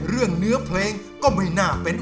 ดูเขาเล็ดดมชมเล่นด้วยใจเปิดเลิศ